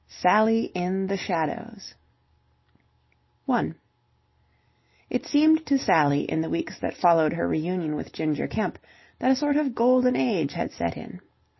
SALLY IN THE SHADOWS 1 It seemed to Sally in the weeks that followed her reunion with Ginger Kemp that a sort of golden age had set in.